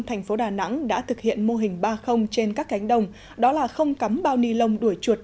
thành phố đà nẵng đã thực hiện mô hình ba trên các cánh đồng đó là không cắm bao ni lông đuổi chuột